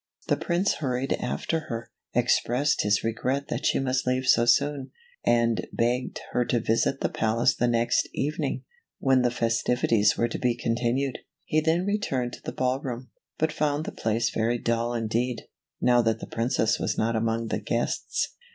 The Prince hurried after her, expressed his regret that she must leave so soon, and begged her to visit the palace the next evening, when the festivities were to be continued. He then returned to the ball room, but found the place very dull indeed, now that the Princess was not among the guests.